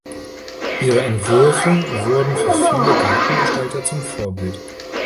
Ihre Entwürfe wurden für viele Gartengestalter zum Vorbild.